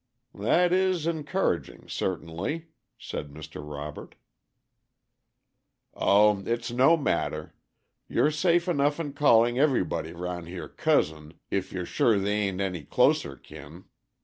"That is encouraging, certainly," said Mr. Robert. "O it's no matter! You're safe enough in calling everybody around here 'cousin' if you're sure they a'n't any closer kin.